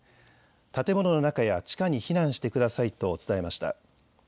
建物の中や地下に避難してくださいと伝えました。